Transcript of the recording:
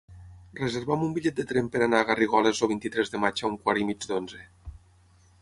Reserva'm un bitllet de tren per anar a Garrigoles el vint-i-tres de maig a un quart i mig d'onze.